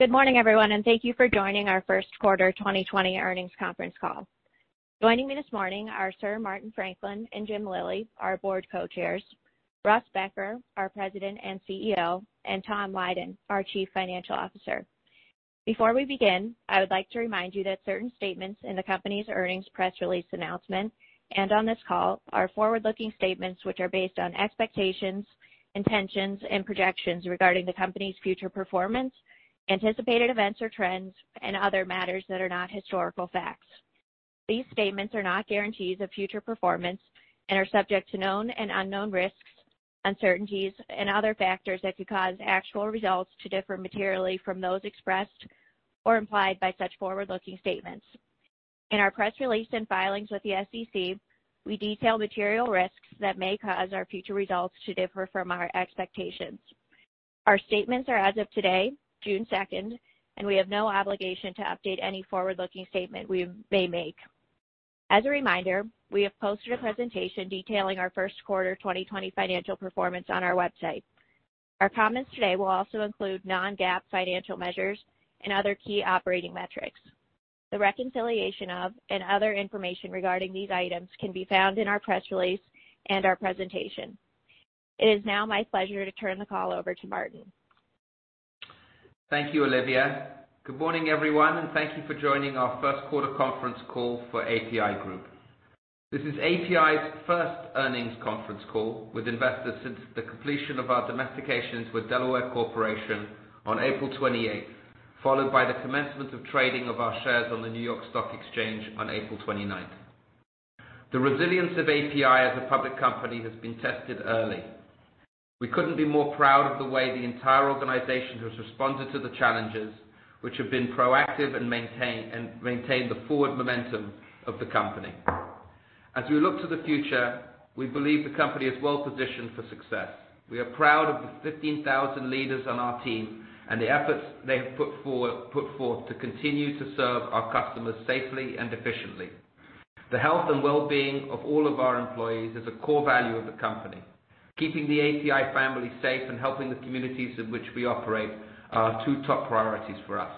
Good morning, everyone, and thank you for joining our First Quarter 2020 Earnings Conference Call. Joining me this morning are Sir Martin Franklin and Jim Lillie, our Board Co-Chairs, Russ Becker, our President and CEO, and Tom Lydon, our Chief Financial Officer. Before we begin, I would like to remind you that certain statements in the company's earnings press release announcement and on this call are forward-looking statements which are based on expectations, intentions, and projections regarding the company's future performance, anticipated events or trends, and other matters that are not historical facts. These statements are not guarantees of future performance and are subject to known and unknown risks, uncertainties, and other factors that could cause actual results to differ materially from those expressed or implied by such forward-looking statements. In our press release and filings with the SEC, we detail material risks that may cause our future results to differ from our expectations. Our statements are as of today, June 2nd, and we have no obligation to update any forward-looking statement we may make. As a reminder, we have posted a presentation detailing our first quarter 2020 financial performance on our website. Our comments today will also include non-GAAP financial measures and other key operating metrics. The reconciliation of and other information regarding these items can be found in our press release and our presentation. It is now my pleasure to turn the call over to Martin. Thank you, Olivia. Good morning, everyone, and thank you for joining our first quarter conference call for APi Group. This is APi's first earnings conference call with investors since the completion of our domestication to a Delaware corporation on April 28th, followed by the commencement of trading of our shares on the New York Stock Exchange on April 29th. The resilience of APi as a public company has been tested early. We couldn't be more proud of the way the entire organization has responded to the challenges to which we have been proactive and maintained the forward momentum of the company. As we look to the future, we believe the company is well positioned for success. We are proud of the 15,000 leaders on our team and the efforts they have put forth to continue to serve our customers safely and efficiently. The health and well-being of all of our employees is a core value of the company. Keeping the APi family safe and helping the communities in which we operate are our two top priorities for us.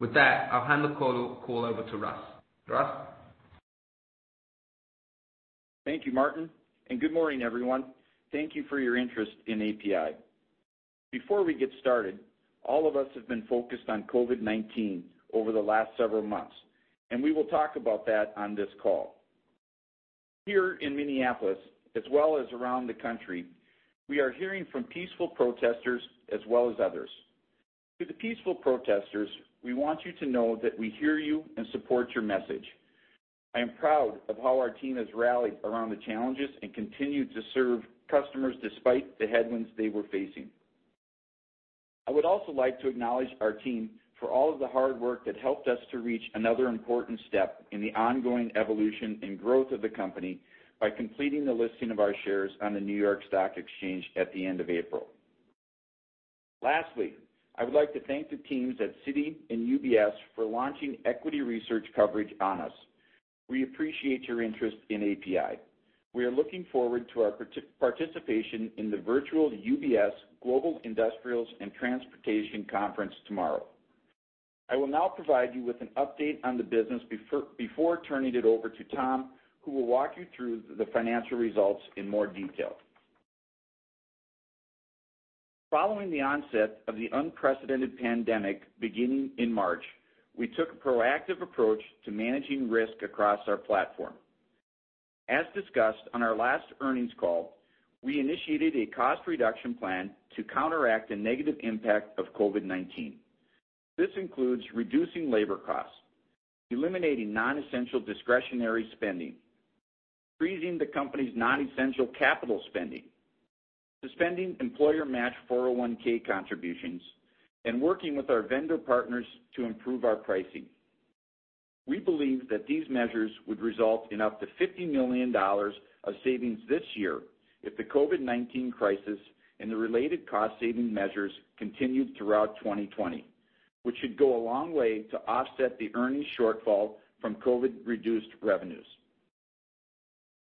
With that, I'll hand the call over to Russ. Russ? Thank you, Martin, and good morning, everyone. Thank you for your interest in APi. Before we get started, all of us have been focused on COVID-19 over the last several months, and we will talk about that on this call. Here in Minneapolis, as well as around the country, we are hearing from peaceful protesters as well as others. To the peaceful protesters, we want you to know that we hear you and support your message. I am proud of how our team has rallied around the challenges and continued to serve customers despite the headwinds they were facing. I would also like to acknowledge our team for all of the hard work that helped us to reach another important step in the ongoing evolution and growth of the company by completing the listing of our shares on the New York Stock Exchange at the end of April. Lastly, I would like to thank the teams at Citi and UBS for launching equity research coverage on us. We appreciate your interest in APi. We are looking forward to our participation in the virtual UBS Global Industrials and Transportation Conference tomorrow. I will now provide you with an update on the business before turning it over to Tom, who will walk you through the financial results in more detail. Following the onset of the unprecedented pandemic beginning in March, we took a proactive approach to managing risk across our platform. As discussed on our last earnings call, we initiated a cost reduction plan to counteract the negative impact of COVID-19. This includes reducing labor costs, eliminating non-essential discretionary spending, freezing the company's non-essential capital spending, suspending employer match 401(k) contributions, and working with our vendor partners to improve our pricing. We believe that these measures would result in up to $50 million of savings this year if the COVID-19 crisis and the related cost-saving measures continued throughout 2020, which should go a long way to offset the earnings shortfall from COVID-reduced revenues.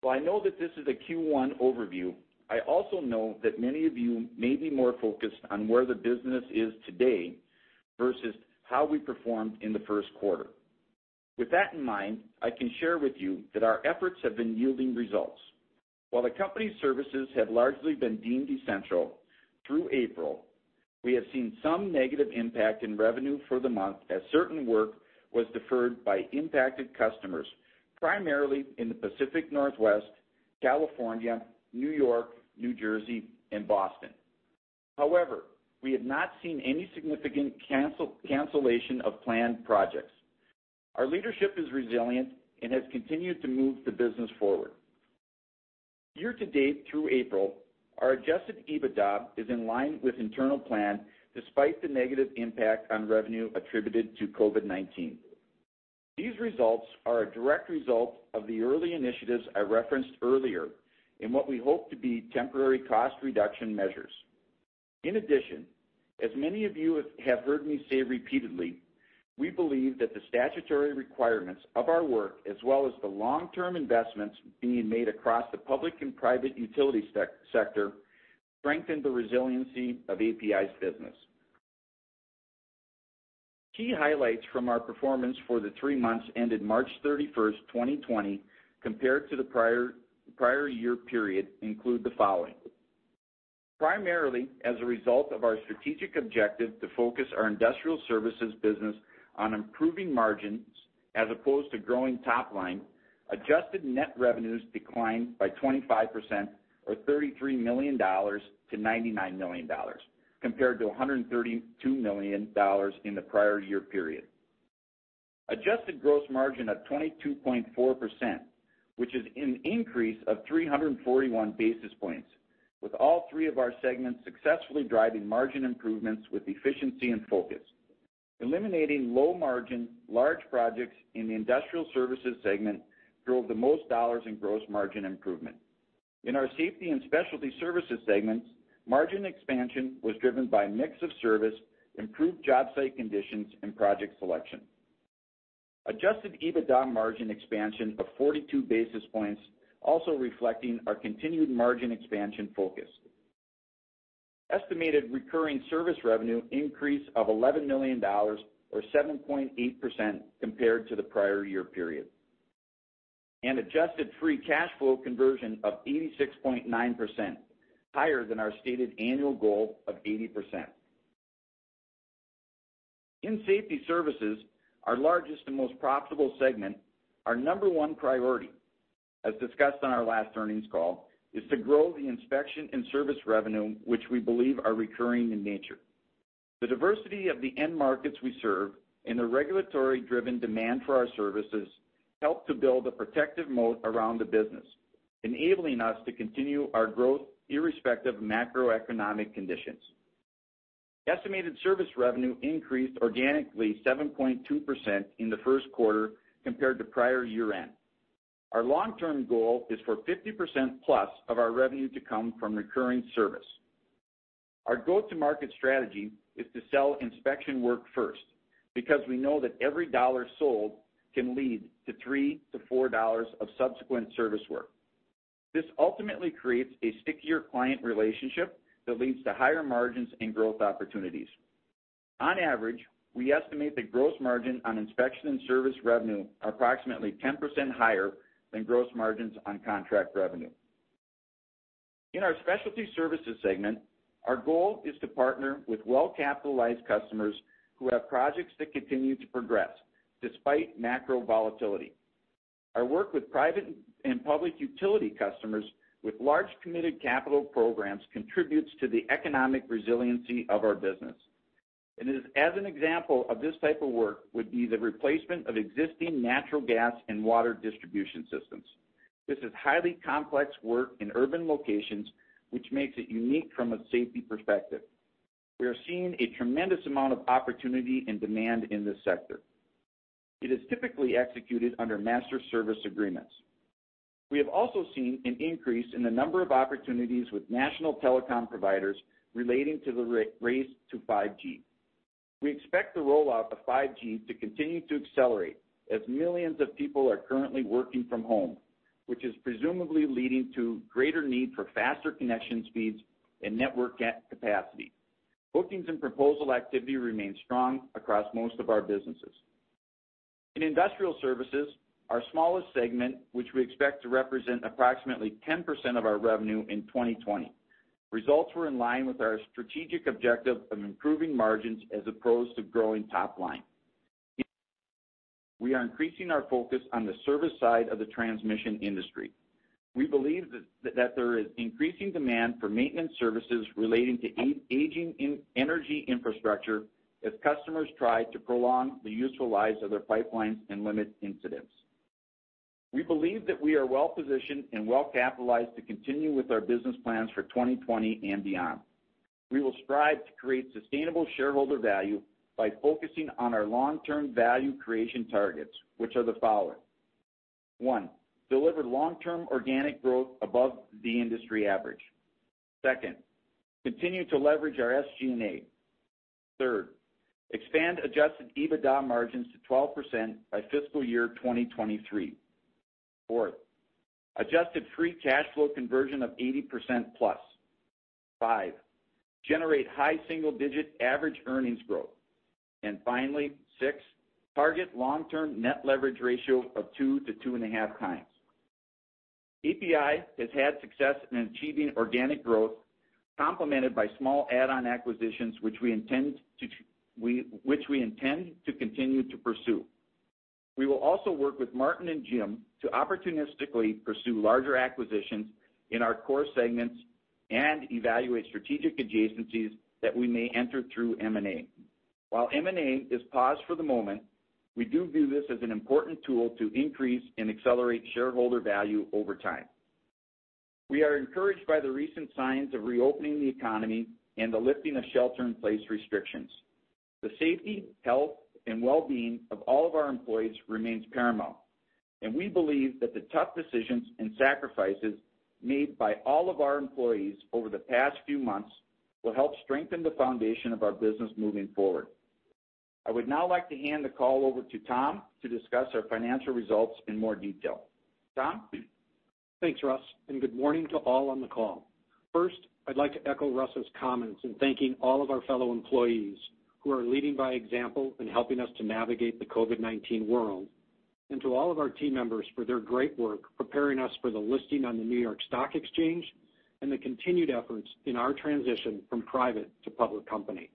While I know that this is a Q1 overview, I also know that many of you may be more focused on where the business is today versus how we performed in the first quarter. With that in mind, I can share with you that our efforts have been yielding results. While the company's services have largely been deemed essential, through April, we have seen some negative impact in revenue for the month as certain work was deferred by impacted customers primarily in the Pacific Northwest, California, New York, New Jersey, and Boston. However, we have not seen any significant cancellation of planned projects. Our leadership is resilient and has continued to move the business forward. Year-to-date through April, our Adjusted EBITDA is in line with the internal plan despite the negative impact on revenue attributed to COVID-19. These results are a direct result of the early initiatives I referenced earlier and what we hope to be temporary cost reduction measures. In addition, as many of you have heard me say repeatedly, we believe that the statutory requirements of our work, as well as the long-term investments being made across the public and private utility sector, strengthen the resiliency of APi's business. Key highlights from our performance for the three months ended March 31st, 2020, compared to the prior year period include the following: Primarily, as a result of our strategic objective to focus our industrial services business on improving margins as opposed to growing top line, adjusted net revenues declined by 25%, or $33 million - $99 million, compared to $132 million in the prior year period. Adjusted gross margin of 22.4%, which is an increase of 341 basis points, with all three of our segments successfully driving margin improvements with efficiency and focus. Eliminating low-margin, large projects in the industrial services segment drove the most dollars in gross margin improvement. In our safety and specialty services segments, margin expansion was driven by a mix of service, improved job site conditions, and project selection. Adjusted EBITDA margin expansion of 42 basis points also reflected our continued margin expansion focus. Estimated recurring service revenue increased of $11 million, or 7.8%, compared to the prior year period. Adjusted free cash flow conversion of 86.9%, higher than our stated annual goal of 80%. In safety services, our largest and most profitable segment, our number one priority, as discussed on our last earnings call, is to grow the inspection and service revenue, which we believe are recurring in nature. The diversity of the end markets we serve and the regulatory-driven demand for our services helped to build a protective moat around the business, enabling us to continue our growth irrespective of macroeconomic conditions. Estimated service revenue increased organically 7.2% in the first quarter compared to prior year-end. Our long-term goal is for 50% plus of our revenue to come from recurring service. Our go-to-market strategy is to sell inspection work first because we know that every dollar sold can lead to $3-$4 of subsequent service work. This ultimately creates a stickier client relationship that leads to higher margins and growth opportunities. On average, we estimate the gross margin on inspection and service revenue approximately 10% higher than gross margins on contract revenue. In our specialty services segment, our goal is to partner with well-capitalized customers who have projects that continue to progress despite macro volatility. Our work with private and public utility customers with large committed capital programs contributes to the economic resiliency of our business, and as an example of this type of work would be the replacement of existing natural gas and water distribution systems. This is highly complex work in urban locations, which makes it unique from a safety perspective. We are seeing a tremendous amount of opportunity and demand in this sector. It is typically executed under master service agreements. We have also seen an increase in the number of opportunities with national telecom providers relating to the race to 5G. We expect the rollout of 5G to continue to accelerate as millions of people are currently working from home, which is presumably leading to greater need for faster connection speeds and network capacity. Bookings and proposal activity remain strong across most of our businesses. In industrial services, our smallest segment, which we expect to represent approximately 10% of our revenue in 2020, results were in line with our strategic objective of improving margins as opposed to growing top line. We are increasing our focus on the service side of the transmission industry. We believe that there is increasing demand for maintenance services relating to aging energy infrastructure as customers try to prolong the useful lives of their pipelines and limit incidents. We believe that we are well-positioned and well-capitalized to continue with our business plans for 2020 and beyond. We will strive to create sustainable shareholder value by focusing on our long-term value creation targets, which are the following: One, deliver long-term organic growth above the industry average. Second, continue to leverage our SG&A. Third, expand Adjusted EBITDA margins to 12% by fiscal year 2023. Fourth, Adjusted Free Cash Flow conversion of 80% plus. Five, generate high single-digit average earnings growth. And finally, six, target long-term net leverage ratio of 2-2.5 times. APi has had success in achieving organic growth complemented by small add-on acquisitions, which we intend to continue to pursue. We will also work with Martin and Jim to opportunistically pursue larger acquisitions in our core segments and evaluate strategic adjacencies that we may enter through M&A. While M&A is paused for the moment, we do view this as an important tool to increase and accelerate shareholder value over time. We are encouraged by the recent signs of reopening the economy and the lifting of shelter-in-place restrictions. The safety, health, and well-being of all of our employees remains paramount, and we believe that the tough decisions and sacrifices made by all of our employees over the past few months will help strengthen the foundation of our business moving forward. I would now like to hand the call over to Tom to discuss our financial results in more detail. Tom? Thanks, Russ, and good morning to all on the call. First, I'd like to echo Russell's comments in thanking all of our fellow employees who are leading by example and helping us to navigate the COVID-19 world, and to all of our team members for their great work preparing us for the listing on the New York Stock Exchange and the continued efforts in our transition from private to public company.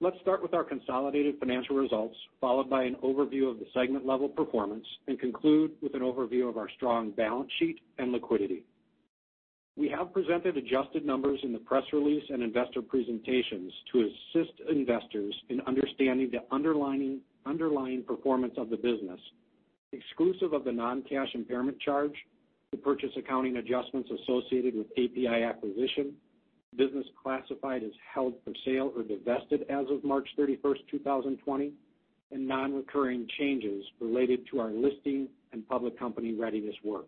Let's start with our consolidated financial results, followed by an overview of the segment-level performance, and conclude with an overview of our strong balance sheet and liquidity. We have presented adjusted numbers in the press release and investor presentations to assist investors in understanding the underlying performance of the business, exclusive of the non-cash impairment charge, the purchase accounting adjustments associated with APi acquisition, business classified as held for sale or divested as of March 31st, 2020, and non-recurring changes related to our listing and public company readiness work.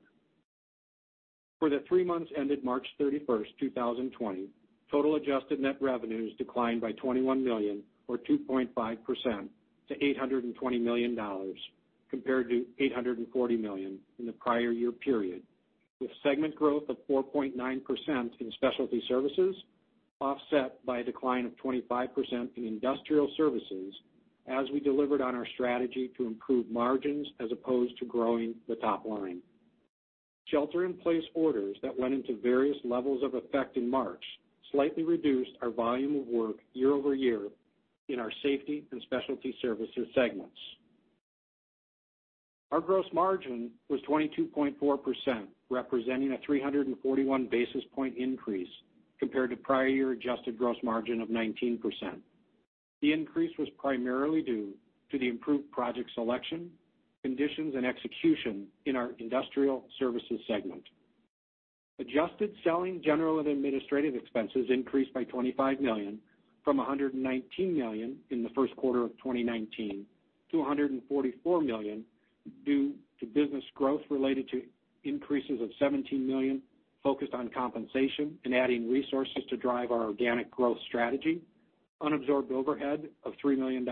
For the three months ended March 31st, 2020, total adjusted net revenues declined by $21 million, or 2.5%, to $820 million, compared to $840 million in the prior year period, with segment growth of 4.9% in specialty services offset by a decline of 25% in industrial services as we delivered on our strategy to improve margins as opposed to growing the top line. Shelter-in-place orders that went into various levels of effect in March slightly reduced our volume of work year-over-year in our safety and specialty services segments. Our gross margin was 22.4%, representing a 341 basis points increase compared to prior year adjusted gross margin of 19%. The increase was primarily due to the improved project selection, conditions, and execution in our industrial services segment. Adjusted selling general and administrative expenses increased by $25 million from $119 million in the first quarter of 2019 to $144 million due to business growth related to increases of $17 million focused on compensation and adding resources to drive our organic growth strategy, unabsorbed overhead of $3 million,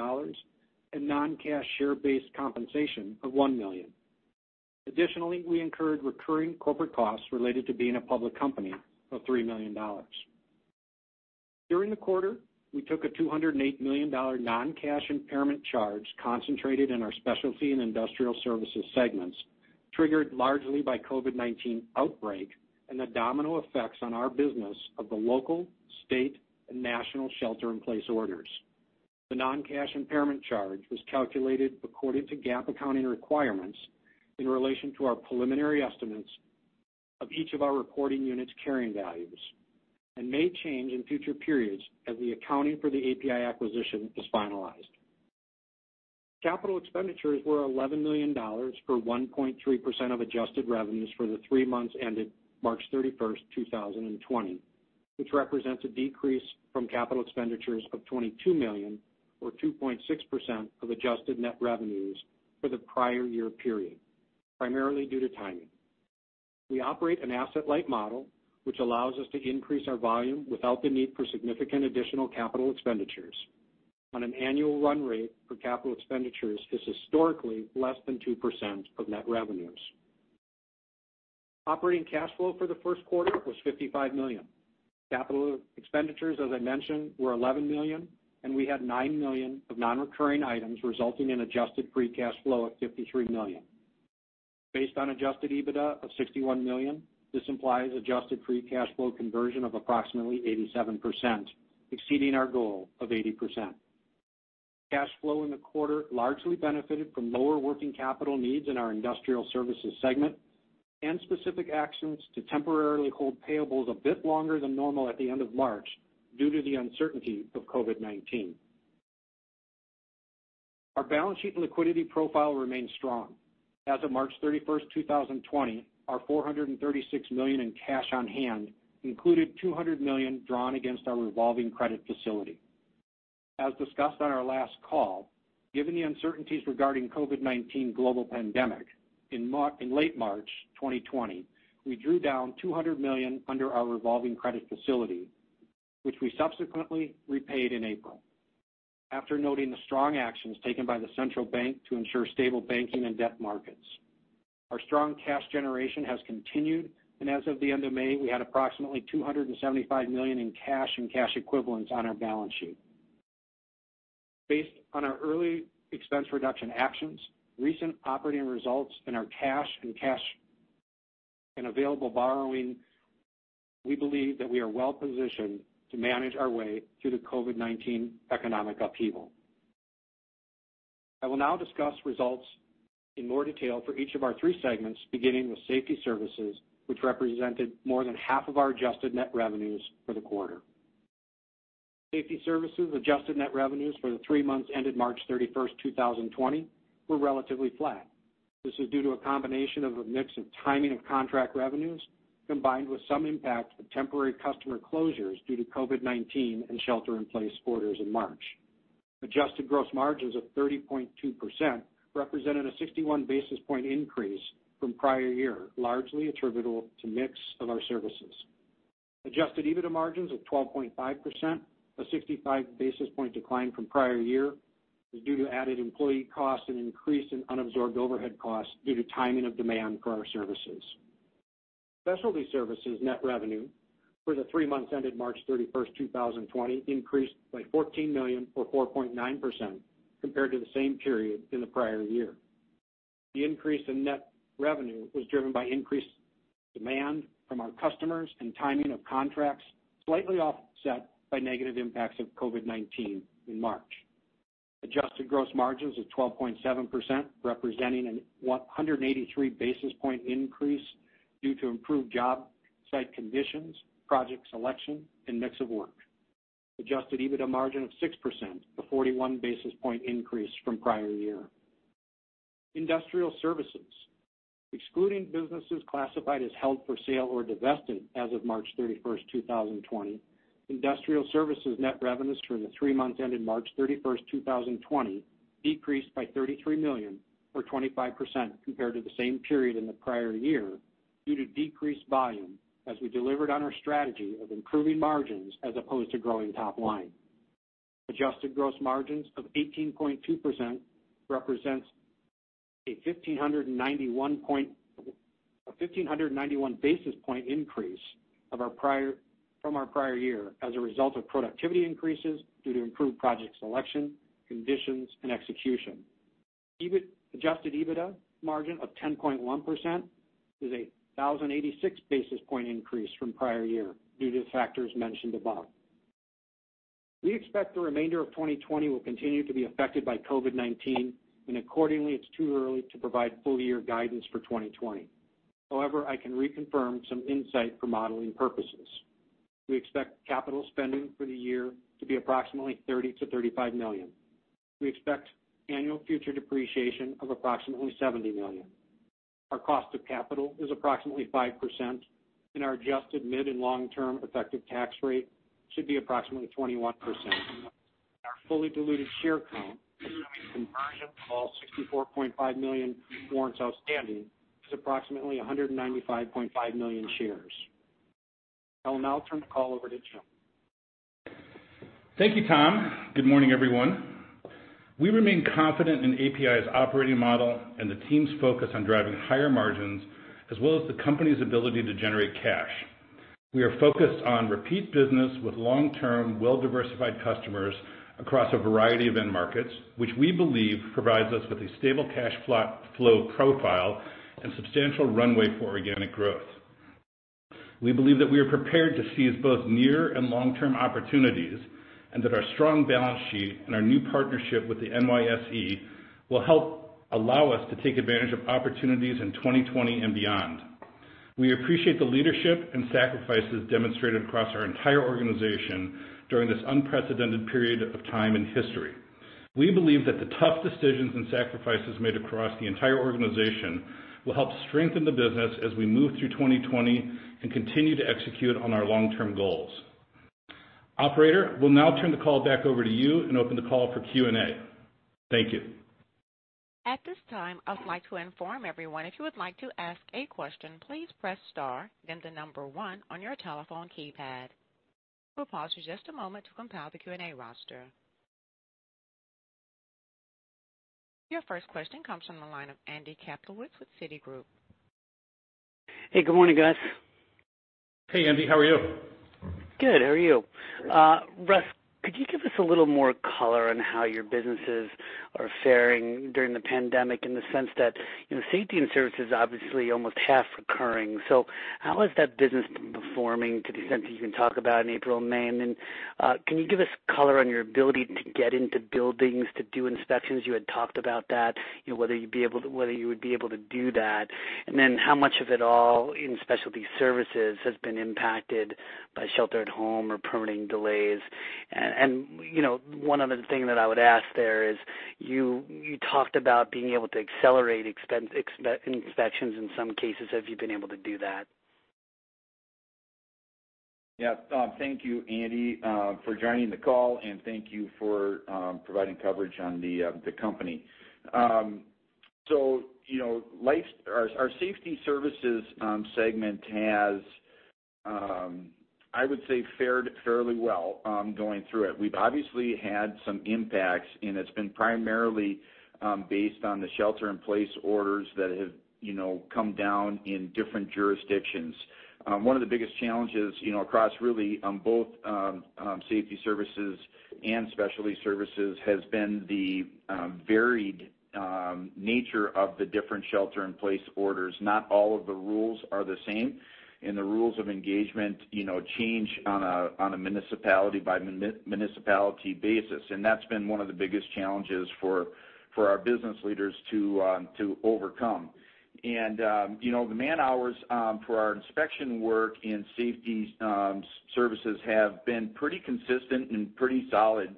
and non-cash share-based compensation of $1 million. Additionally, we incurred recurring corporate costs related to being a public company of $3 million. During the quarter, we took a $208 million non-cash impairment charge concentrated in our specialty and industrial services segments, triggered largely by the COVID-19 outbreak and the domino effects on our business of the local, state, and national shelter-in-place orders. The non-cash impairment charge was calculated according to GAAP accounting requirements in relation to our preliminary estimates of each of our reporting units' carrying values and may change in future periods as the accounting for the APi acquisition is finalized. Capital expenditures were $11 million for 1.3% of adjusted revenues for the three months ended March 31st, 2020, which represents a decrease from capital expenditures of $22 million, or 2.6% of adjusted net revenues for the prior year period, primarily due to timing. We operate an asset-light model, which allows us to increase our volume without the need for significant additional capital expenditures. On an annual run rate, capital expenditures is historically less than 2% of net revenues. Operating cash flow for the first quarter was $55 million. Capital expenditures, as I mentioned, were $11 million, and we had $9 million of non-recurring items resulting in adjusted free cash flow of $53 million. Based on adjusted EBITDA of $61 million, this implies adjusted free cash flow conversion of approximately 87%, exceeding our goal of 80%. Cash flow in the quarter largely benefited from lower working capital needs in our industrial services segment and specific actions to temporarily hold payables a bit longer than normal at the end of March due to the uncertainty of COVID-19. Our balance sheet and liquidity profile remained strong. As of March 31st, 2020, our $436 million in cash on hand included $200 million drawn against our revolving credit facility. As discussed on our last call, given the uncertainties regarding the COVID-19 global pandemic, in late March 2020, we drew down $200 million under our revolving credit facility, which we subsequently repaid in April after noting the strong actions taken by the central bank to ensure stable banking and debt markets. Our strong cash generation has continued, and as of the end of May, we had approximately $275 million in cash and cash equivalents on our balance sheet. Based on our early expense reduction actions, recent operating results, and our cash and available borrowing, we believe that we are well-positioned to manage our way through the COVID-19 economic upheaval. I will now discuss results in more detail for each of our three segments, beginning with safety services, which represented more than half of our adjusted net revenues for the quarter. Safety services adjusted net revenues for the three months ended March 31st, 2020, were relatively flat. This is due to a combination of a mix of timing of contract revenues combined with some impact of temporary customer closures due to COVID-19 and shelter-in-place orders in March. Adjusted gross margins of 30.2% represented a 61 basis points increase from prior year, largely attributable to a mix of our services. Adjusted EBITDA margins of 12.5%, a 65 basis points decline from prior year, is due to added employee costs and increase in unabsorbed overhead costs due to timing of demand for our services. Specialty services net revenue for the three months ended March 31st, 2020, increased by $14 million, or 4.9%, compared to the same period in the prior year. The increase in net revenue was driven by increased demand from our customers and timing of contracts slightly offset by negative impacts of COVID-19 in March. Adjusted gross margins of 12.7%, representing a 183 basis point increase due to improved job site conditions, project selection, and mix of work. Adjusted EBITDA margin of 6%, a 41 basis point increase from prior year. Industrial services, excluding businesses classified as held for sale or divested as of March 31st, 2020, industrial services net revenues for the three months ended March 31st, 2020, decreased by $33 million, or 25%, compared to the same period in the prior year due to decreased volume as we delivered on our strategy of improving margins as opposed to growing top line. Adjusted gross margins of 18.2% represent a 1,591 basis points increase from our prior year as a result of productivity increases due to improved project selection, conditions, and execution. Adjusted EBITDA margin of 10.1% is a 1,086 basis points increase from prior year due to the factors mentioned above. We expect the remainder of 2020 will continue to be affected by COVID-19, and accordingly, it's too early to provide full-year guidance for 2020. However, I can reconfirm some insight for modeling purposes. We expect capital spending for the year to be approximately $30 million - $35 million. We expect annual future depreciation of approximately $70 million. Our cost of capital is approximately 5%, and our adjusted mid and long-term effective tax rate should be approximately 21%. Our fully diluted share count, assuming conversion of all 64.5 million warrants outstanding, is approximately 195.5 million shares. I will now turn the call over to Jim. Thank you, Tom. Good morning, everyone. We remain confident in APi's operating model and the team's focus on driving higher margins, as well as the company's ability to generate cash. We are focused on repeat business with long-term, well-diversified customers across a variety of end markets, which we believe provides us with a stable cash flow profile and substantial runway for organic growth. We believe that we are prepared to seize both near and long-term opportunities and that our strong balance sheet and our new partnership with the NYSE will help allow us to take advantage of opportunities in 2020 and beyond. We appreciate the leadership and sacrifices demonstrated across our entire organization during this unprecedented period of time in history. We believe that the tough decisions and sacrifices made across the entire organization will help strengthen the business as we move through 2020 and continue to execute on our long-term goals. Operator, we'll now turn the call back over to you and open the call for Q&A. Thank you. At this time, I would like to inform everyone, if you would like to ask a question, please press star and then the number one on your telephone keypad. We'll pause for just a moment to compile the Q&A roster. Your first question comes from the line of Andy Kaplowitz with Citigroup. Hey, good morning, Guys. Hey, Andy. How are you? Good. How are you? Russ, could you give us a little more color on how your businesses are faring during the pandemic in the sense that safety and services obviously almost half recurring? So how has that business been performing to the extent that you can talk about in April and May? And then can you give us color on your ability to get into buildings to do inspections? You had talked about that, whether you would be able to do that. And then how much, if at all, in specialty services has been impacted by shelter-at-home or permitting delays? And one other thing that I would ask there is you talked about being able to accelerate inspections in some cases. Have you been able to do that? Yeah. Thank you, Andy, for joining the call, and thank you for providing coverage on the company. So our safety services segment has, I would say, fared fairly well going through it. We've obviously had some impacts, and it's been primarily based on the shelter-in-place orders that have come down in different jurisdictions. One of the biggest challenges across really both safety services and specialty services has been the varied nature of the different shelter-in-place orders. Not all of the rules are the same, and the rules of engagement change on a municipality-by-municipality basis. And that's been one of the biggest challenges for our business leaders to overcome. And the man-hours for our inspection work in safety services have been pretty consistent and pretty solid,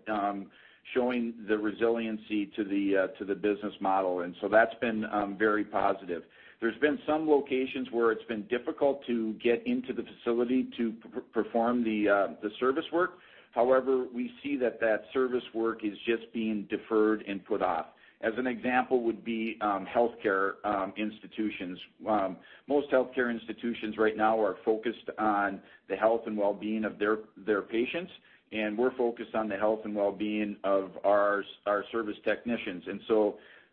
showing the resiliency to the business model. And so that's been very positive. There's been some locations where it's been difficult to get into the facility to perform the service work. However, we see that that service work is just being deferred and put off. As an example would be healthcare institutions. Most healthcare institutions right now are focused on the health and well-being of their patients, and we're focused on the health and well-being of our service technicians. And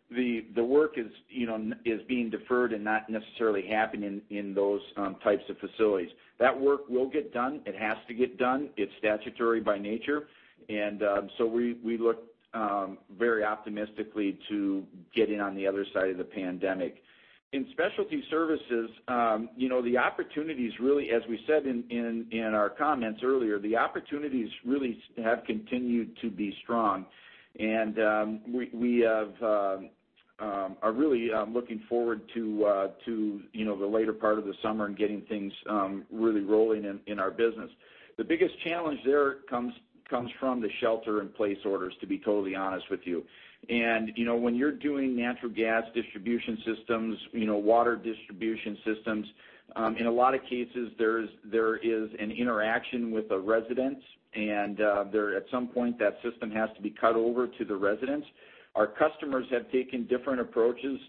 so the work is being deferred and not necessarily happening in those types of facilities. That work will get done. It has to get done. It's statutory by nature. And so we look very optimistically to get in on the other side of the pandemic. In specialty services, the opportunities really, as we said in our comments earlier, the opportunities really have continued to be strong. We are really looking forward to the later part of the summer and getting things really rolling in our business. The biggest challenge there comes from the shelter-in-place orders, to be totally honest with you. When you're doing natural gas distribution systems, water distribution systems, in a lot of cases, there is an interaction with a resident, and at some point, that system has to be cut over to the residents. Our customers have taken different approaches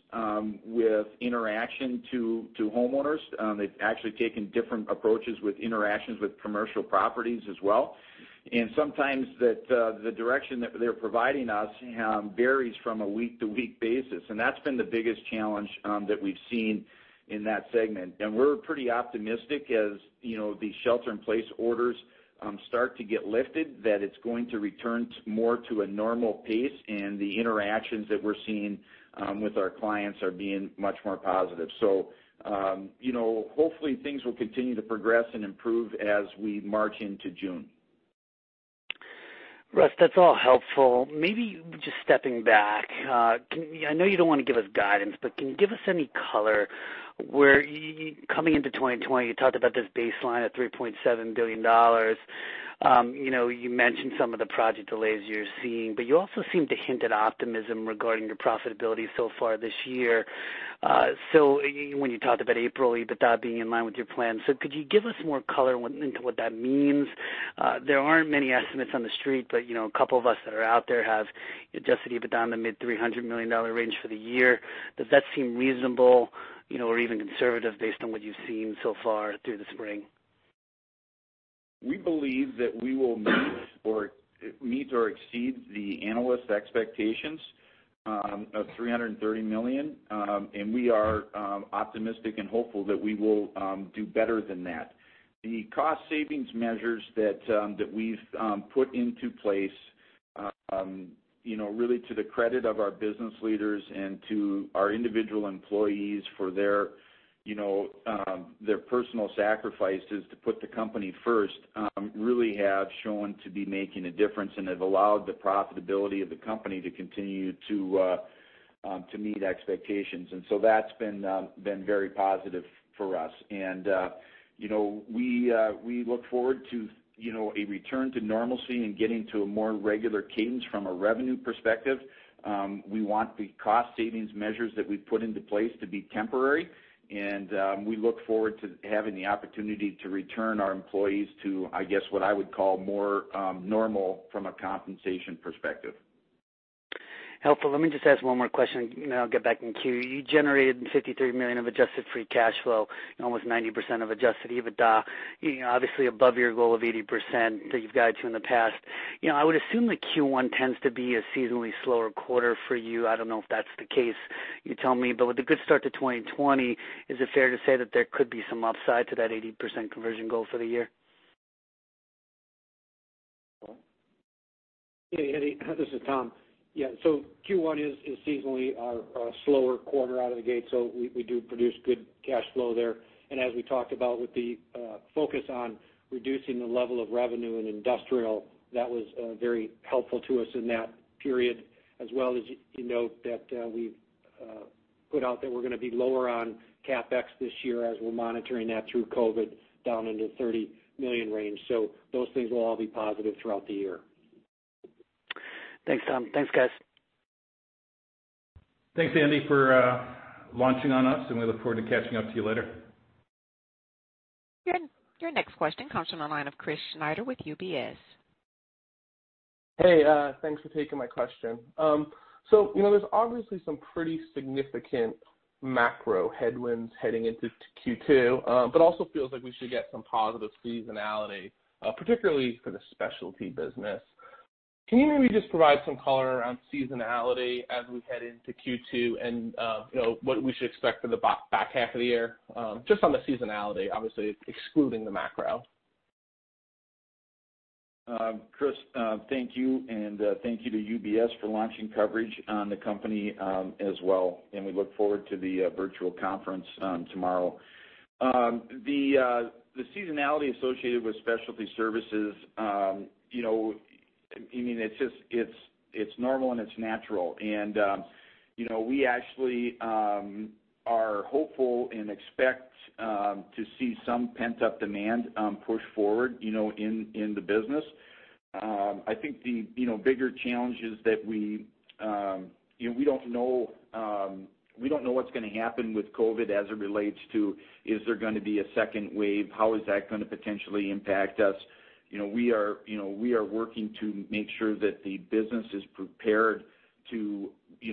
with interaction to homeowners. They've actually taken different approaches with interactions with commercial properties as well. Sometimes the direction that they're providing us varies from a week-to-week basis. That's been the biggest challenge that we've seen in that segment. We're pretty optimistic as the shelter-in-place orders start to get lifted, that it's going to return more to a normal pace, and the interactions that we're seeing with our clients are being much more positive. Hopefully, things will continue to progress and improve as we march into June. Russ, that's all helpful. Maybe just stepping back, I know you don't want to give us guidance, but can you give us any color? Coming into 2020, you talked about this baseline of $3.7 billion. You mentioned some of the project delays you're seeing, but you also seem to hint at optimism regarding your profitability so far this year. So when you talked about April, EBITDA being in line with your plan, so could you give us more color into what that means? There aren't many estimates on the street, but a couple of us that are out there have Adjusted EBITDA in the mid-$300 million range for the year. Does that seem reasonable or even conservative based on what you've seen so far through the spring? We believe that we will meet or exceed the analyst expectations of $330 million, and we are optimistic and hopeful that we will do better than that. The cost savings measures that we've put into place, really to the credit of our business leaders and to our individual employees for their personal sacrifices to put the company first, really have shown to be making a difference and have allowed the profitability of the company to continue to meet expectations, and so that's been very positive for us, and we look forward to a return to normalcy and getting to a more regular cadence from a revenue perspective. We want the cost savings measures that we've put into place to be temporary, and we look forward to having the opportunity to return our employees to, I guess, what I would call more normal from a compensation perspective. Helpful. Let me just ask one more question, and then I'll get back in queue. You generated $53 million of Adjusted Free Cash Flow, almost 90% of Adjusted EBITDA, obviously above your goal of 80% that you've guided to in the past. I would assume that Q1 tends to be a seasonally slower quarter for you. I don't know if that's the case. You tell me. But with a good start to 2020, is it fair to say that there could be some upside to that 80% conversion goal for the year? Hey, Andy. This is Tom. Yeah, so Q1 is seasonally our slower quarter out of the gate, so we do produce good cash flow there, and as we talked about with the focus on reducing the level of revenue in industrial, that was very helpful to us in that period, as well as that we put out that we're going to be lower on CapEx this year as we're monitoring that through COVID down into the $30 million range, so those things will all be positive throughout the year. Thanks, Tom. Thanks, Guys. Thanks, Andy, for launching on us, and we look forward to catching up to you later. Your next question comes from the line of Chris Snyder with UBS. Hey, thanks for taking my question. So there's obviously some pretty significant macro headwinds heading into Q2, but also feels like we should get some positive seasonality, particularly for the specialty business. Can you maybe just provide some color around seasonality as we head into Q2 and what we should expect for the back half of the year? Just on the seasonality, obviously, excluding the macro. Chris, thank you, and thank you to UBS for launching coverage on the company as well. And we look forward to the virtual conference tomorrow. The seasonality associated with specialty services, I mean, it's normal and it's natural. And we actually are hopeful and expect to see some pent-up demand push forward in the business. I think the bigger challenge is that we don't know what's going to happen with COVID as it relates to, is there going to be a second wave? How is that going to potentially impact us? We are working to make sure that the business is prepared to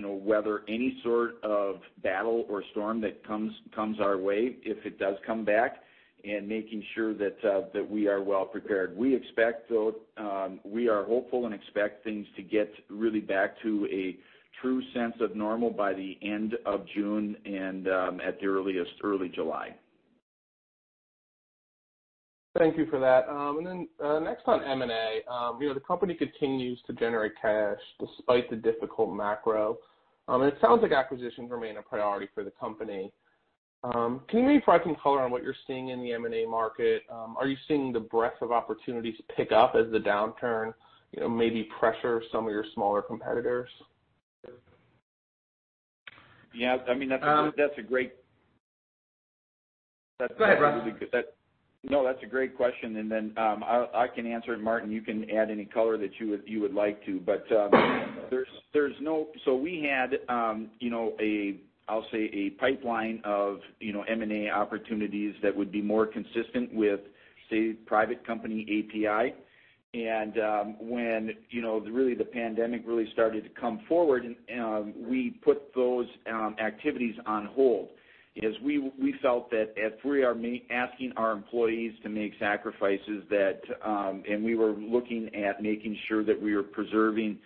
weather any sort of battle or storm that comes our way if it does come back, and making sure that we are well prepared. We expect, though, we are hopeful and expect things to get really back to a true sense of normal by the end of June and at the earliest, early July. Thank you for that. And then next on M&A, the company continues to generate cash despite the difficult macro. And it sounds like acquisitions remain a priority for the company. Can you maybe provide some color on what you're seeing in the M&A market? Are you seeing the breadth of opportunities pick up as the downturn maybe pressures some of your smaller competitors? Yeah. I mean, that's a great. Go ahead, Russ. No, that's a great question, and then I can answer it. Martin, you can add any color that you would like to, but there's no, so we had, I'll say, a pipeline of M&A opportunities that would be more consistent with, say, private company API, and when really the pandemic really started to come forward, we put those activities on hold. We felt that if we are asking our employees to make sacrifices, and we were looking at making sure that we were preserving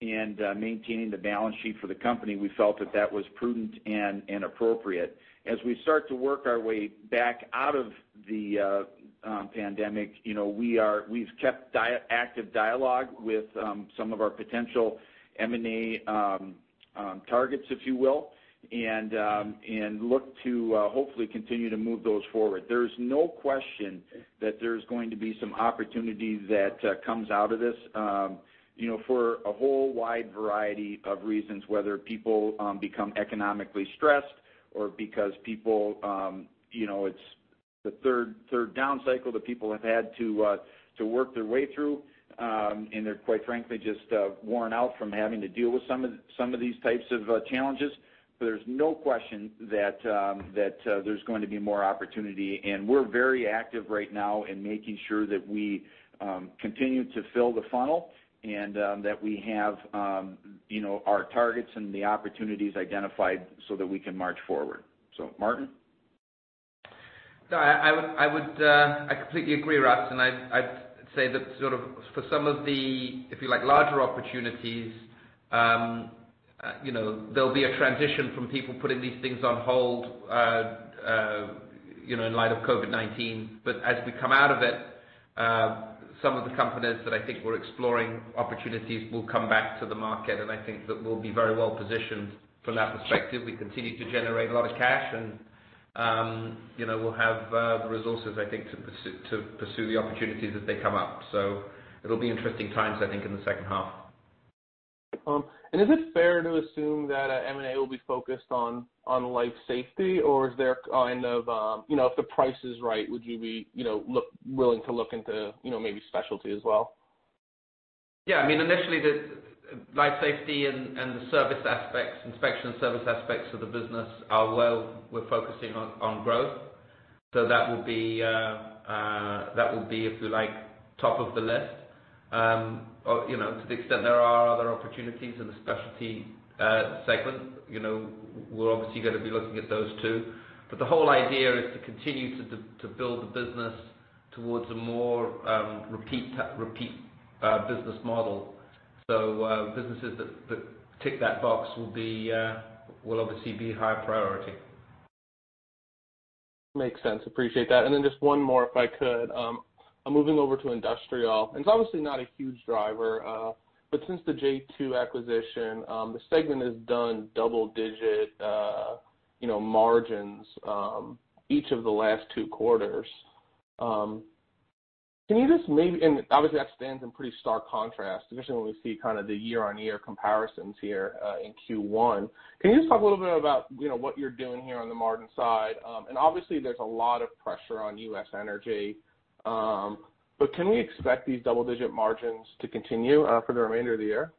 and maintaining the balance sheet for the company, we felt that that was prudent and appropriate. As we start to work our way back out of the pandemic, we've kept active dialogue with some of our potential M&A targets, if you will, and look to hopefully continue to move those forward. There's no question that there's going to be some opportunity that comes out of this for a whole wide variety of reasons, whether people become economically stressed or because people, it's the third down cycle that people have had to work their way through, and they're, quite frankly, just worn out from having to deal with some of these types of challenges. But there's no question that there's going to be more opportunity. And we're very active right now in making sure that we continue to fill the funnel and that we have our targets and the opportunities identified so that we can march forward. So, Martin? No, I completely agree, Russ. And I'd say that sort of for some of the, if you like, larger opportunities, there'll be a transition from people putting these things on hold in light of COVID-19. But as we come out of it, some of the companies that I think we're exploring opportunities will come back to the market, and I think that we'll be very well positioned from that perspective. We continue to generate a lot of cash, and we'll have the resources, I think, to pursue the opportunities as they come up. So it'll be interesting times, I think, in the second half. Is it fair to assume that M&A will be focused on life safety, or is there kind of, if the price is right, would you be willing to look into maybe specialty as well? Yeah. I mean, initially, life safety and the service aspects, inspection and service aspects of the business are where we're focusing on growth. So that will be, if you like, top of the list. To the extent there are other opportunities in the specialty segment, we're obviously going to be looking at those too. But the whole idea is to continue to build the business towards a more repeat business model. So businesses that tick that box will obviously be a higher priority. Makes sense. Appreciate that. And then just one more, if I could. I'm moving over to industrial. And it's obviously not a huge driver, but since the J2 acquisition, the segment has done double-digit margins each of the last two quarters. Can you just maybe, and obviously, that stands in pretty stark contrast, especially when we see kind of the year-on-year comparisons here in Q1. Can you just talk a little bit about what you're doing here on the margin side? And obviously, there's a lot of pressure on U.S. energy, but can we expect these double-digit margins to continue for the remainder of the year?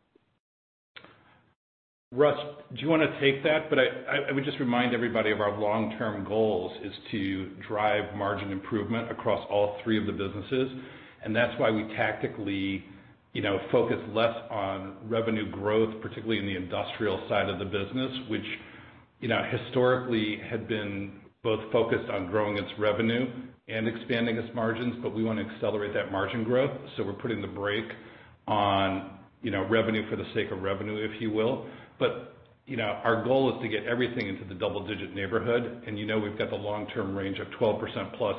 Russ, do you want to take that? But I would just remind everybody of our long-term goals is to drive margin improvement across all three of the businesses. And that's why we tactically focus less on revenue growth, particularly in the industrial side of the business, which historically had been both focused on growing its revenue and expanding its margins. But we want to accelerate that margin growth. So we're putting the brake on revenue for the sake of revenue, if you will. But our goal is to get everything into the double-digit neighborhood. And we've got the long-term range of 12% plus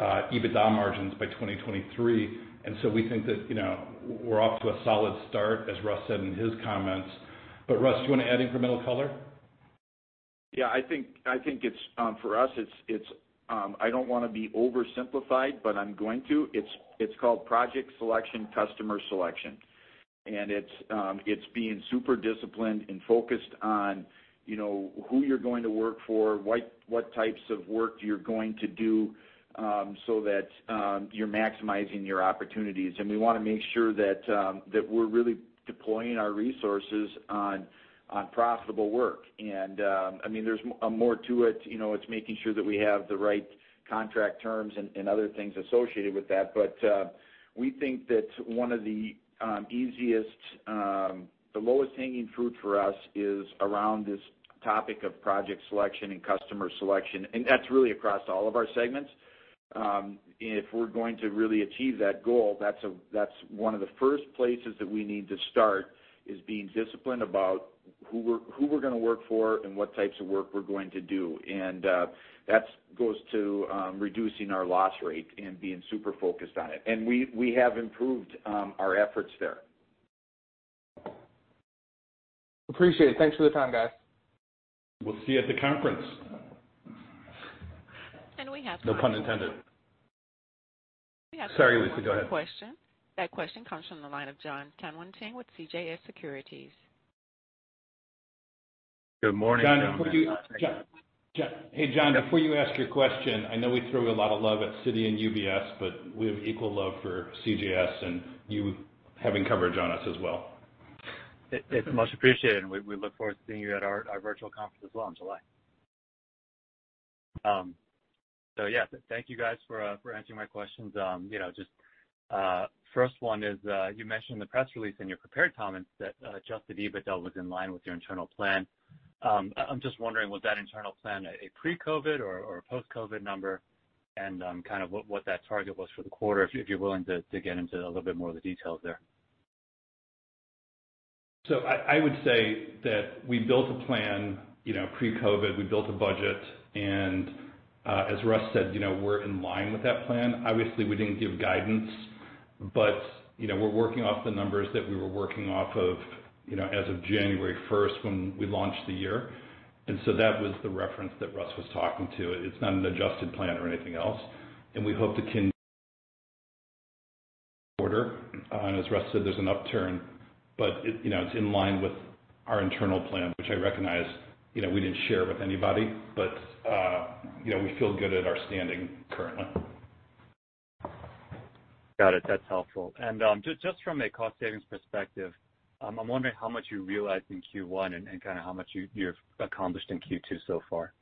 EBITDA margins by 2023. And so we think that we're off to a solid start, as Russ said in his comments. But Russ, do you want to add any more color? Yeah. I think for us, I don't want to oversimplify, but I'm going to. It's called project selection, customer selection. And it's being super disciplined and focused on who you're going to work for, what types of work you're going to do so that you're maximizing your opportunities. And we want to make sure that we're really deploying our resources on profitable work. And I mean, there's more to it. It's making sure that we have the right contract terms and other things associated with that. But we think that one of the easiest, the lowest-hanging fruit for us is around this topic of project selection and customer selection. And that's really across all of our segments. If we're going to really achieve that goal, that's one of the first places that we need to start is being disciplined about who we're going to work for and what types of work we're going to do. And that goes to reducing our loss rate and being super focused on it. And we have improved our efforts there. Appreciate it. Thanks for the time, guys. We'll see you at the conference. We have some. No pun intended. Sorry, Lucy. Go ahead. That question comes from the line of John Tanwanteng with CJS Securities. Good morning, John. Hey, John, before you ask your question, I know we throw a lot of love at Citi and UBS, but we have equal love for CJS and you having coverage on us as well. It's much appreciated, and we look forward to seeing you at our virtual conference as well in July. So yeah, thank you, guys, for answering my questions. Just first one is you mentioned in the press release in your prepared comments that Adjusted EBITDA was in line with your internal plan. I'm just wondering, was that internal plan a pre-COVID or a post-COVID number? And kind of what that target was for the quarter, if you're willing to get into a little bit more of the details there. So I would say that we built a plan pre-COVID. We built a budget. And as Russ said, we're in line with that plan. Obviously, we didn't give guidance, but we're working off the numbers that we were working off of as of January 1st when we launched the year. And so that was the reference that Russ was talking to. It's not an adjusted plan or anything else. And we hope to continue to order. And as Russ said, there's an upturn, but it's in line with our internal plan, which I recognize we didn't share with anybody. But we feel good at our standing currently. Got it. That's helpful. And just from a cost-savings perspective, I'm wondering how much you realized in Q1 and kind of how much you've accomplished in Q2 so far.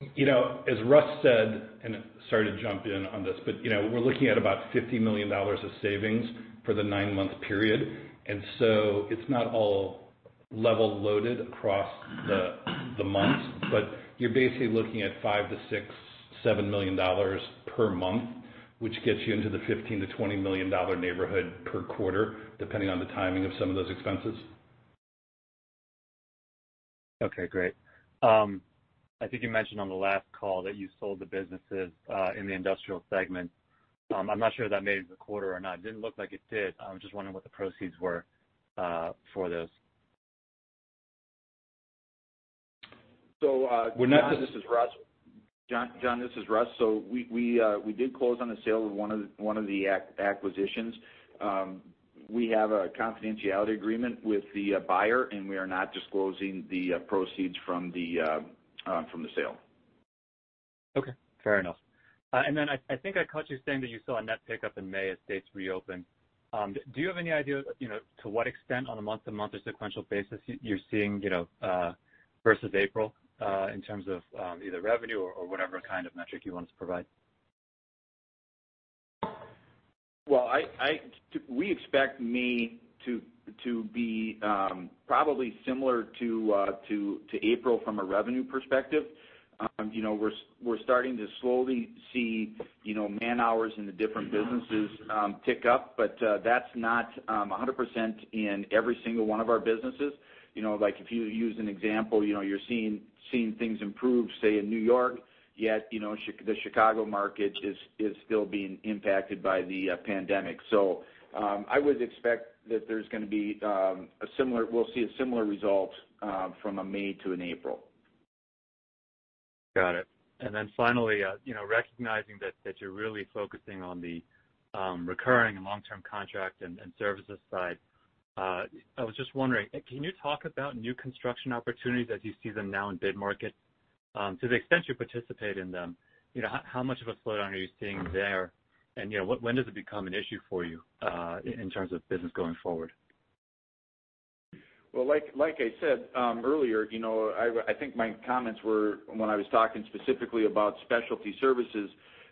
As Russ said, and I'll start to jump in on this, but we're looking at about $50 million of savings for the nine-month period. And so it's not all level loaded across the months, but you're basically looking at $5 million - $6 million, $7 million per month, which gets you into the $15 million - $20 million neighborhood per quarter, depending on the timing of some of those expenses. Okay. Great. I think you mentioned on the last call that you sold the businesses in the industrial segment. I'm not sure if that made it to the quarter or not. It didn't look like it did. I was just wondering what the proceeds were for those. We're not. John, this is Russ. John, this is Russ. So we did close on the sale of one of the acquisitions. We have a confidentiality agreement with the buyer, and we are not disclosing the proceeds from the sale. Okay. Fair enough. And then I think I caught you saying that you saw a net pickup in May as states reopened. Do you have any idea to what extent, on a month-to-month or sequential basis, you're seeing versus April in terms of either revenue or whatever kind of metric you want us to provide? We expect May to be probably similar to April from a revenue perspective. We're starting to slowly see man-hours in the different businesses tick up, but that's not 100% in every single one of our businesses. If you use an example, you're seeing things improve, say, in New York, yet the Chicago market is still being impacted by the pandemic. I would expect that there's going to be a similar. We'll see a similar result from a May to an April. Got it. And then finally, recognizing that you're really focusing on the recurring and long-term contract and services side, I was just wondering, can you talk about new construction opportunities as you see them now in bid market? To the extent you participate in them, how much of a slowdown are you seeing there? And when does it become an issue for you in terms of business going forward? Like I said earlier, I think my comments were when I was talking specifically about specialty services,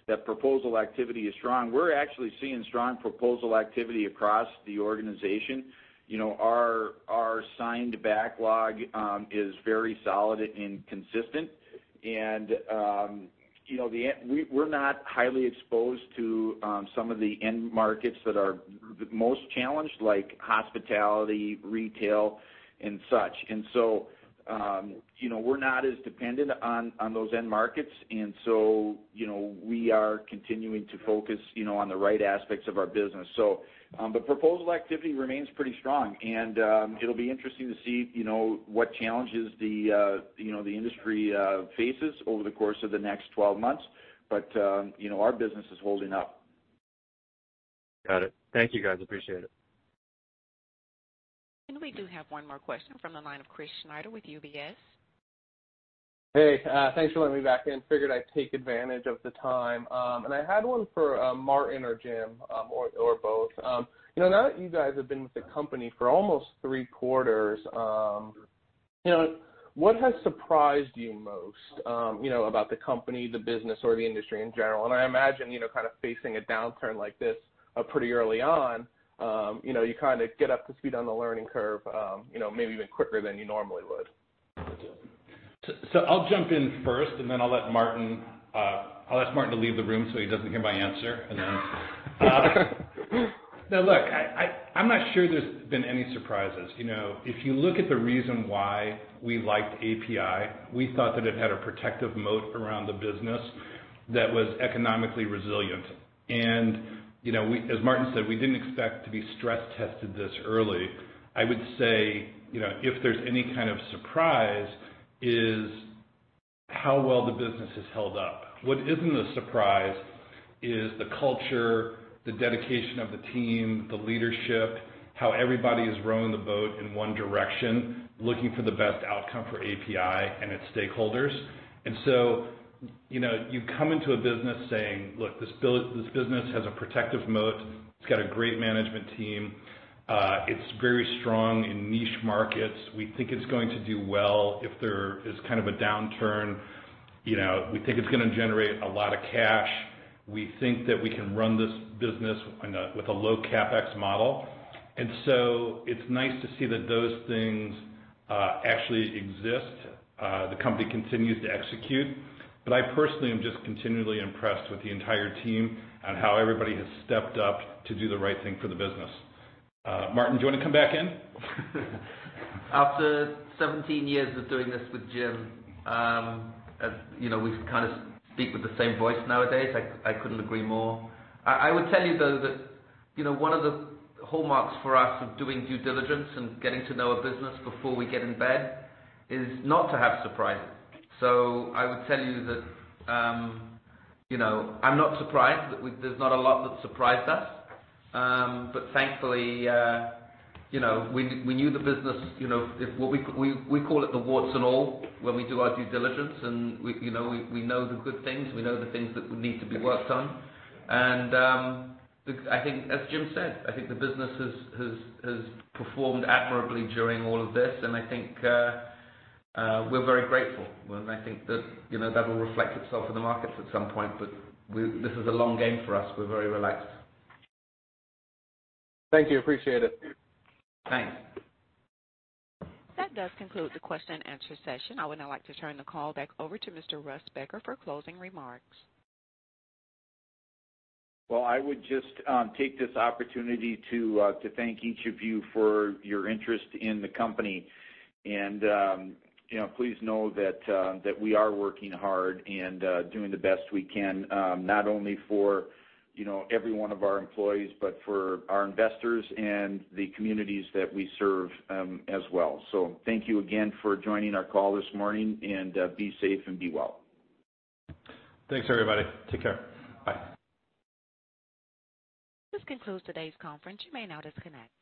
that proposal activity is strong. We're actually seeing strong proposal activity across the organization. Our signed backlog is very solid and consistent. And we're not highly exposed to some of the end markets that are most challenged, like hospitality, retail, and such. And so we're not as dependent on those end markets. And so we are continuing to focus on the right aspects of our business. But proposal activity remains pretty strong. And it'll be interesting to see what challenges the industry faces over the course of the next 12 months. But our business is holding up. Got it. Thank you, guys. Appreciate it. We do have one more question from the line of Chris Snyder with UBS. Hey. Thanks for letting me back in. Figured I'd take advantage of the time, and I had one for Martin or Jim or both. Now that you guys have been with the company for almost three quarters, what has surprised you most about the company, the business, or the industry in general, and I imagine kind of facing a downturn like this pretty early on, you kind of get up to speed on the learning curve maybe even quicker than you normally would. So I'll jump in first, and then I'll let Martin. I'll ask Martin to leave the room so he doesn't hear my answer. And then now, look, I'm not sure there's been any surprises. If you look at the reason why we liked APi, we thought that it had a protective moat around the business that was economically resilient. And as Martin said, we didn't expect to be stress-tested this early. I would say if there's any kind of surprise is how well the business has held up. What isn't a surprise is the culture, the dedication of the team, the leadership, how everybody is rowing the boat in one direction, looking for the best outcome for APi and its stakeholders. And so you come into a business saying, "Look, this business has a protective moat. It's got a great management team. It's very strong in niche markets. We think it's going to do well if there is kind of a downturn. We think it's going to generate a lot of cash. We think that we can run this business with a low CapEx model," and so it's nice to see that those things actually exist. The company continues to execute. But I personally am just continually impressed with the entire team and how everybody has stepped up to do the right thing for the business. Martin, do you want to come back in? After 17 years of doing this with Jim, we kind of speak with the same voice nowadays. I couldn't agree more. I would tell you, though, that one of the hallmarks for us of doing due diligence and getting to know a business before we get in bed is not to have surprises. So I would tell you that I'm not surprised that there's not a lot that surprised us. But thankfully, we knew the business. We call it the warts and all when we do our due diligence. And we know the good things. We know the things that need to be worked on. And I think, as Jim said, I think the business has performed admirably during all of this. And I think we're very grateful. And I think that that will reflect itself in the markets at some point. But this is a long game for us. We're very relaxed. Thank you. Appreciate it. Thanks. That does conclude the question-and-answer session. I would now like to turn the call back over to Mr. Russ Becker for closing remarks. I would just take this opportunity to thank each of you for your interest in the company. Please know that we are working hard and doing the best we can, not only for every one of our employees, but for our investors and the communities that we serve as well. Thank you again for joining our call this morning. Be safe and be well. Thanks, everybody. Take care. Bye. This concludes today's conference. You may now disconnect.